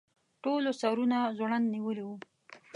ټولو سرونه ځوړند نیولي وو.